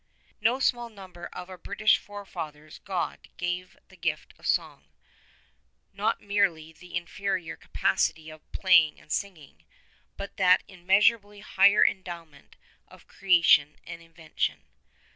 To no small number of our British fore fathers God gave the gift of song — not merely the inferior capacity of playing and singing, but that immeasurably higher endowment of creation and invention.